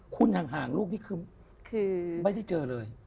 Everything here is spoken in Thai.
คุณห่างลูกนี่คือไม่ได้เจอเลย